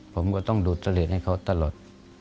ผมก็ต้องดูดเสล็ดให้เขาตลอด